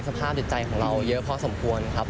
สภาพจิตใจของเราเยอะพอสมควรครับ